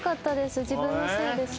自分のせいです。